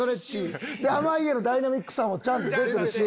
濱家のダイナミックさもちゃんと出てるし。